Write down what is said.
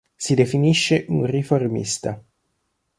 Si definisce un riformista.